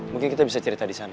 mungkin kita bisa cerita di sana